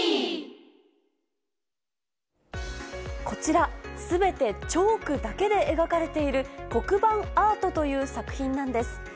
こちら、すべてチョークだけで描かれている、黒板アートという作品なんです。